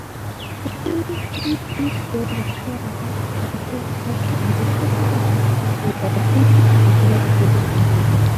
Putin ইইউকে রাশিয়ার সবচেয়ে গুরুত্বপূর্ণ বাণিজ্যিক ও অর্থনৈতিক অংশীদার হিসেবে বর্ণনা করেন।